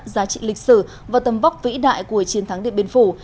giá trị lịch sử và tầm vóc vĩ đại của chiến thắng điện biên phủ